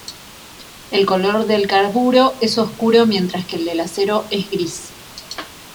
El color del carburo es oscuro mientras que el del acero es gris.